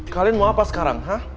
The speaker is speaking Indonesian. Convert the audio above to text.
kalian mau apa sekarang